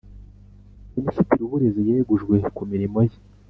Minisitiri wuburezi yegujwe kumirimo ye